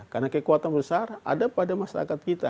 karena kekuatan besar ada pada masyarakat kita